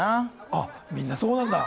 ああみんなそうなんだ。